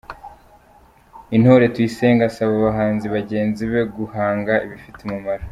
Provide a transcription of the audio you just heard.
Intore tuyisenge asaba abahanzi bagenzi be guhanga ibifite umumaro.